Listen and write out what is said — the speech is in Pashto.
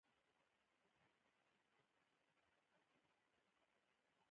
د افغاني اقلیتونو شورش د انګریزي یرغل لپاره استعمال شو.